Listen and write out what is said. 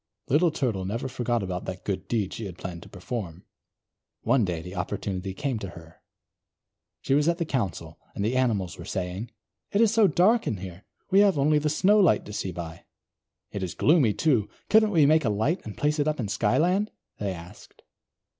Little Turtle never forgot about that good deed she had planned to perform. One day the opportunity came to her. She was at the Council, and the animals were saying: "It is so dark here, we have only the Snowlight to see by. It is gloomy, too. Couldn't we make a light and place it up in Skyland?" they asked.